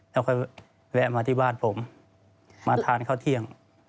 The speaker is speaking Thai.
แล้วค่อยแวะมาที่บ้านผมมาทานข้าวเที่ยง